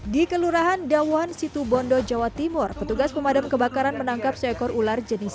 di kelurahan dawan situbondo jawa timur petugas pemadam kebakaran menangkap seekor ular jenis